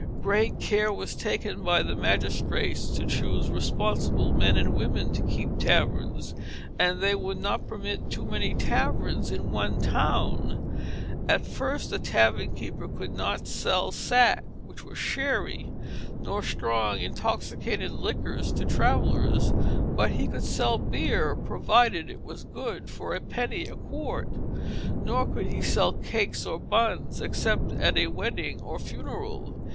Great care was taken by the magistrates to choose responsible men and women to keep taverns, and they would not permit too many taverns in one town. At first the tavern keeper could not sell sack (which was sherry), nor stronger intoxicating liquor to travellers, but he could sell beer, provided it was good, for a penny a quart. Nor could he sell cakes or buns except at a wedding or funeral.